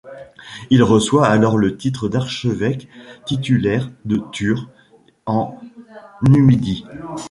Il reçoit alors le titre d'archevêque titulaire de Turres, en Numidie.